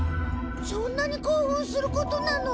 そんなに興奮することなの？